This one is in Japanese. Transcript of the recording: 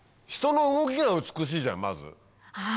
人の動きが美しいじゃんまず。